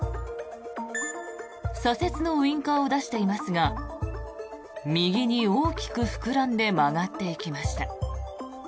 左折のウィンカーを出していますが右に大きく膨らんで曲がっていきました。